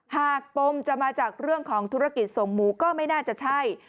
ปมจะมาจากเรื่องของธุรกิจส่งหมูก็ไม่น่าจะใช่